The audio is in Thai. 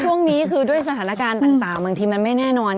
ช่วงนี้คือด้วยสถานการณ์ต่างบางทีมันไม่แน่นอน